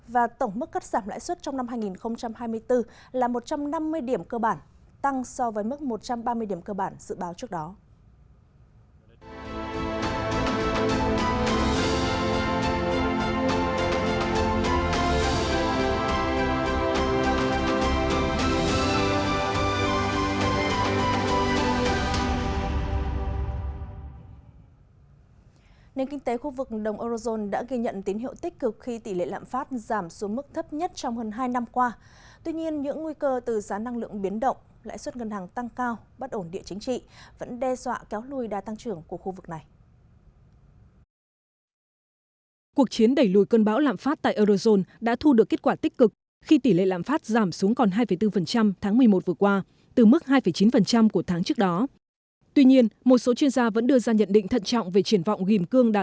và tổng mức cắt giảm lãi suất trong năm hai nghìn hai mươi bốn là một trăm năm mươi điểm cơ bản